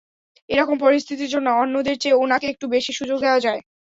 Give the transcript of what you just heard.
এরকম পরিস্থিতির জন্য অন্যদের চেয়ে ওনাকে একটু বেশি সুযোগ দেয়া যায়।